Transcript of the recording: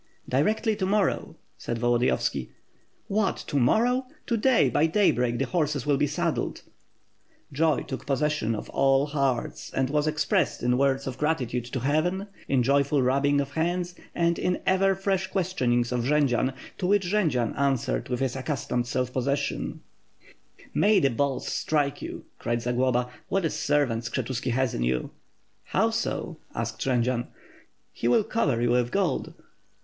"Directly, to morrow!" said Volodiyovski. "What, to morrow! To day, by daybreak, the horses will be saddled." Joy took possession of all hearts and was expressed in words of gratitude to heaven, in jo>^ul rubbing of hands, and in ever fresh questionings of Jendzian; to which Jendzian answered with his accustomed self possession. WITH FIRE AND SWORD. 64 1 "May the balls strike you!'' cried Zagloba. "What a ser vant Skshetuski has in you!'' "How so?'' asked Jendzian. "He will cover you with gold."